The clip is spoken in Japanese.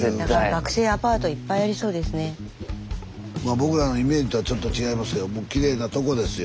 僕らのイメージとはちょっと違いますけどきれいなとこですよ。